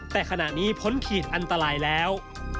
แต่ขณะนี้พ้นขีดอันตรายแล้ว